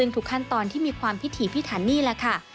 ทุกขั้นตอนที่มีความพิถีพิธารณีล่ะค่ะ